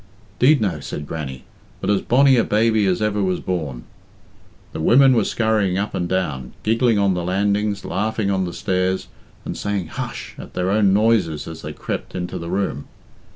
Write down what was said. "'Deed no," said Grannie, "but as bonny a baby as ever was born." The women were scurrying up and down, giggling on the landings, laughing on the stairs, and saying hush at their own noises as they crept into the room.